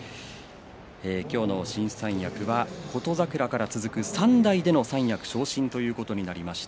今日の新三役は琴櫻から続く３代での三役昇進ということになりました